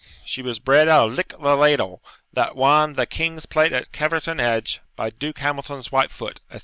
She was bred out of Lick the ladle, that wan the king's plate at Caverton Edge, by Duke Hamilton's White Foot,' etc.